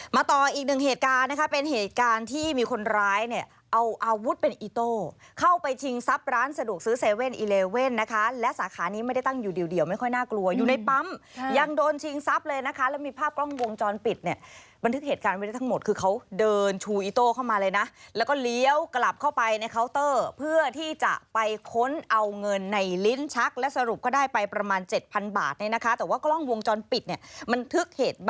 มาต่ออีกหนึ่งเหตุการณ์นะคะเป็นเหตุการณ์ที่มีคนร้ายเนี่ยเอาอาวุธเป็นอิโต้เข้าไปชิงทรัพย์ร้านสะดวกซื้อเซเว่นอีเลเว่นนะคะและสาขานี้ไม่ได้ตั้งอยู่เดียวไม่ค่อยน่ากลัวอยู่ในปั๊มยังโดนชิงทรัพย์เลยนะคะแล้วมีภาพกล้องวงจรปิดเนี่ยบันทึกเหตุการณ์ไว้ทั้งหมดคือเขาเดินชูอิโต้เข้ามาเลยนะแล้วก็เล